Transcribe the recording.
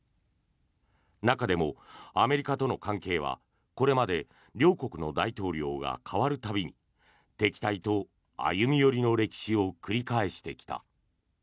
中でも、アメリカとの関係はこれまで両国の大統領が代わる度に敵対と歩み寄りの歴史を繰り返してきた。